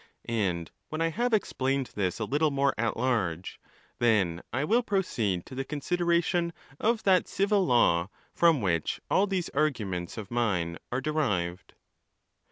And when I have explained this a little more at large, then I will proceed to the con sideration of that civil law from which all these arguments of mine are derived.